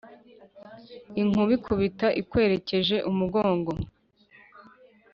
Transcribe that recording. Inkuba ikubita ikwerekeje umugongo